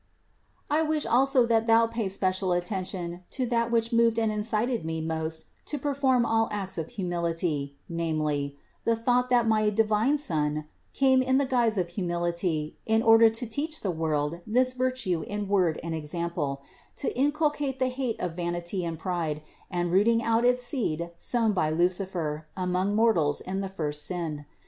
I wish also that thou pay special attention to that which moved and incited me most to perform all acts of humility; namely, the thought that my divine Son came in the guise of humility in order to teach the world this virtue in word and example, to inculcate the hate of vanity and pride and rooting out its seed sown by Lucifer among mortals in the first sin.